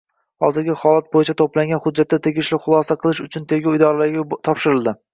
Hozirgi holat bo‘yicha to‘plangan hujjatlar tegishli xulosa qilish uchun tergov idoralariga topshirildi